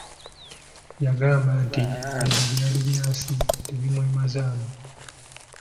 Yagamba nti ebyo byali bya nsi tebimwemazaamu.